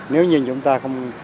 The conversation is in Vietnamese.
nếu như chúng ta không